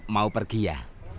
mau pergi ya